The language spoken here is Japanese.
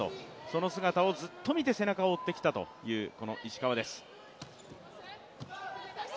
その姿をずっと見て背中を追ってきたという石川です。